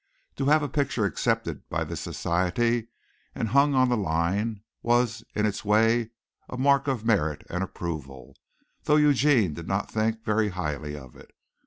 To have a picture accepted by this society and hung on the line was in its way a mark of merit and approval, though Eugene did not think very highly of it.